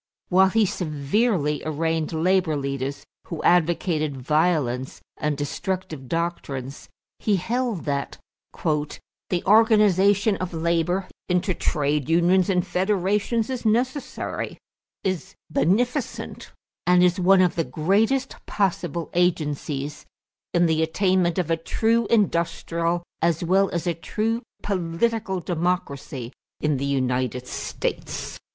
While he severely arraigned labor leaders who advocated violence and destructive doctrines, he held that "the organization of labor into trade unions and federations is necessary, is beneficent, and is one of the greatest possible agencies in the attainment of a true industrial, as well as a true political, democracy in the United States."